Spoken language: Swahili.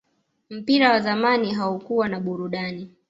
mpira wa zamani haukuwa na burudani